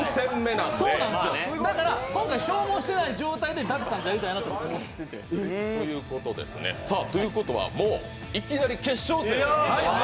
だから今回、消耗していない状態で舘様とやりたいなと。ということは、もういきなり決勝戦。